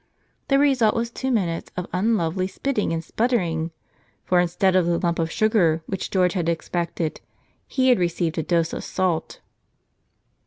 The result was two minutes of unlovely spitting and sputtering ; for instead of the lump of sugar which George had expected, he had received a dose of salt.